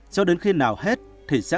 cho đến khi nào hết thì sẽ kêu gọi tiếp